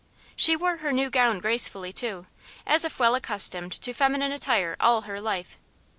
She wore her new gown gracefully, too, as if well accustomed to feminine attire all her life.